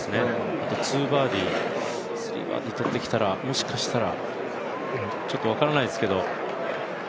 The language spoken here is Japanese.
２バーディー、３バーディー取ってきたら、もしかしたらちょっと分からないですけど。